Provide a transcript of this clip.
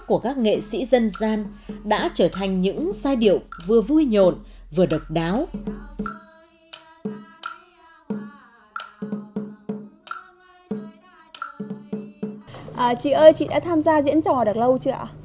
chị ơi chị đã tham gia diễn trò được lâu chưa ạ